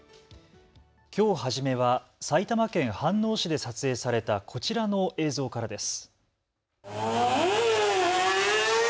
きょう初めは埼玉県飯能市で撮影されたこちらの映像からです。